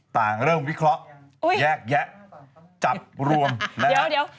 ต่างเริ่มวิเคราะห์แยกแยะจับรวมแล้วเดี๋ยว